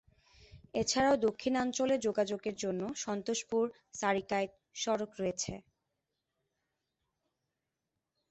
এছাড়াও দক্ষিণাঞ্চলে যোগাযোগের জন্য সন্তোষপুর-সারিকাইত সড়ক রয়েছে।